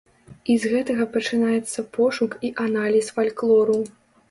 І з гэтага пачынаецца пошук і аналіз фальклору.